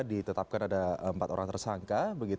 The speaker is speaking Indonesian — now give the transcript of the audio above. ditetapkan ada empat orang tersangka